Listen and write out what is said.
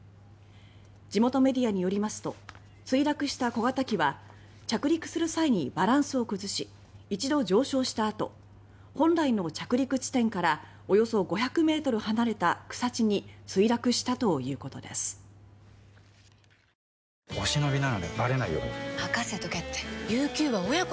地元メディアによりますと墜落した小型機は着陸する際にバランスを崩し一度、上昇したあと本来の着陸地点からおよそ ５００ｍ 離れた一歩歩けばひとつの出会いがある